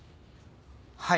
はい。